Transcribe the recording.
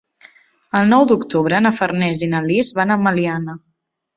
El nou d'octubre na Farners i na Lis van a Meliana.